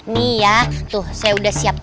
nih ya tuh saya udah siap